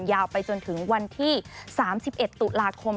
ยาวไปจนถึงวันที่๓๑ตุลาคม